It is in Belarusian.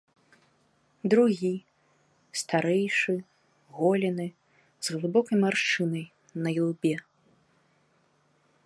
Другі, старэйшы, голены, з глыбокай маршчынай на ілбе.